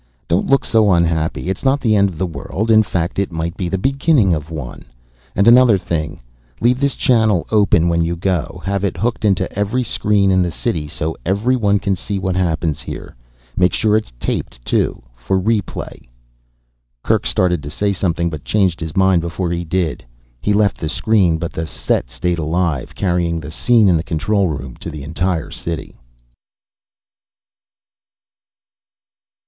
"Don't look so unhappy, it's not the end of the world. In fact, it might be the beginning of one. And another thing, leave this channel open when you go. Have it hooked into every screen in the city so everyone can see what happens here. Make sure it's taped too, for replay." Kerk started to say something, but changed his mind before he did. He left the screen, but the set stayed alive. Carrying the scene in the control room to the entire city.